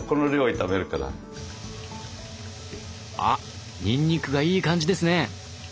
あにんにくがいい感じですね。